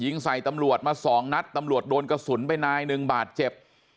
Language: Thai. ยิงใส่ตำรวจมาสองนัดตำรวจโดนกระสุนไปนายหนึ่งบาดเจ็บ